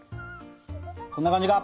こんな感じか？